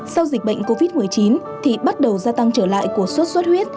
sau dịch bệnh covid một mươi chín thì bắt đầu gia tăng trở lại của sốt xuất huyết